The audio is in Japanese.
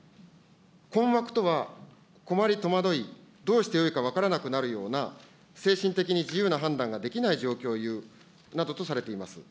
困惑とは、困り戸惑い、どうしてよいか分からなくなるような、精神的に自由な判断ができない状況をいうなどとされています。